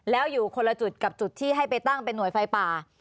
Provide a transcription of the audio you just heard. แล้วอยู่คนละจุดกับจุดที่ให้ไปตั้งเป็นหน่วยไฟป่า